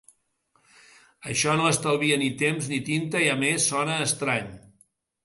Això no estalvia ni temps ni tinta i a més sona estrany.